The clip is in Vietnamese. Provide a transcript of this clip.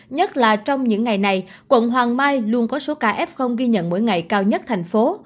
nhất là trong những ngày này quận hoàng mai luôn có số ca f ghi nhận mỗi ngày cao nhất thành phố